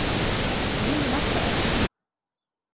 Nimm die Maske ab!